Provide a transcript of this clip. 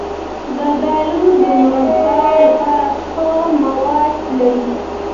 زردالو د مربا لپاره ښه مواد لري.